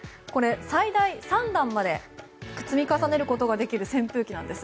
最大で３段まで積み重ねることができる扇風機なんです。